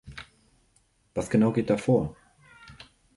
Was genau geht da vor?